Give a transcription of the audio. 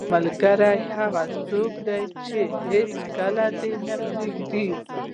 ملګری هغه څوک دی چې هیڅکله دې نه پرېږدي.